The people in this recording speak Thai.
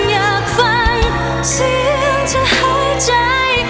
อยากฟังเสียงเธอหายใจ